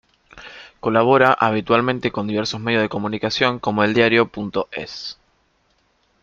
Colabora habitualmente con diversos medios de comunicación como eldiario.es.